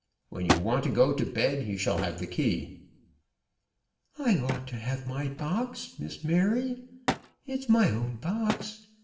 When you want to go to bed, you shall have the key." "I ought to have my box, Miss Mary. It's my own box.